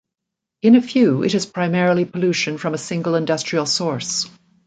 In a few it is primarily pollution from a single industrial source.